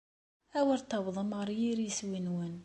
Awer tawḍem ɣer yir iswi-nwen.